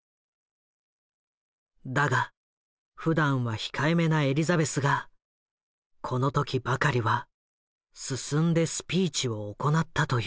だがふだんは控えめなエリザベスがこの時ばかりは進んでスピーチを行ったという。